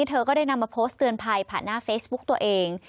เธอก็ได้นำมาโพสต์เตือนภัยผ่านหน้าเฟซบุ๊กตัวเอง